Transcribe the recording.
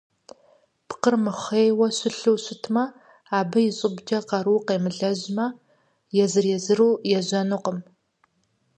Пкъыр мыхъейуэ щылъу щытмэ, абы и щӏыбкӏэ къару къемылэжьмэ, езыр-езыру ежьэнукъым.